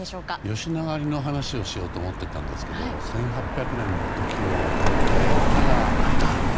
吉野ケ里の話をしようと思ってましたが１８００年の時を越えてふたが開いた！